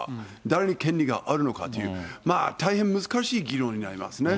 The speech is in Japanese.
誰に権利があるのかという、大変難しい議論になりますね。